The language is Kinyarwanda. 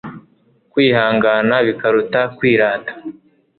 kwihangana bikaruta kwirata